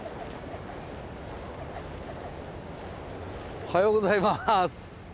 おはようございます。